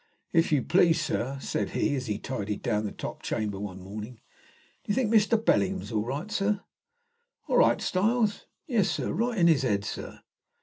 "If you please, sir," said he, as he tidied down the top chamber one morning, "do you think Mr. Bellingham is all right, sir?" "All right, Styles?" "Yes sir. Right in his head, sir."